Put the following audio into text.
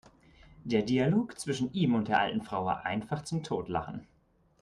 Der Dialog zwischen ihm und der alten Frau war einfach zum Totlachen!